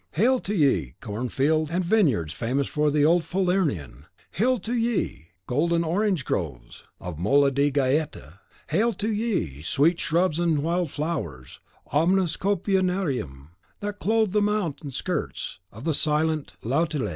Hail to ye, cornfields and vineyards famous for the old Falernian! Hail to ye, golden orange groves of Mola di Gaeta! Hail to ye, sweet shrubs and wild flowers, omnis copia narium, that clothe the mountain skirts of the silent Lautulae!